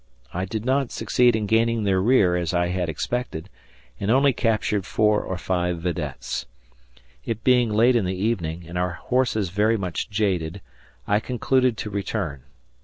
I did not succeed in gaining their rear as I had expected, and only captured 4 or 5 videttes. It being late in the evening, and our horses very much jaded, I concluded to return.